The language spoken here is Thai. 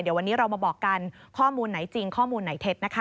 เดี๋ยววันนี้เรามาบอกกันข้อมูลไหนจริงข้อมูลไหนเท็จนะคะ